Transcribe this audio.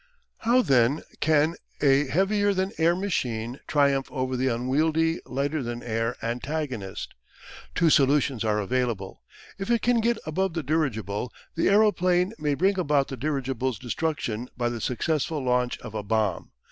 How then can a heavier than air machine triumph over the unwieldy lighter than air antagonist? Two solutions are available. If it can get above the dirigible the adroplane may bring about the dirigible's destruction by the successful launch of a bomb.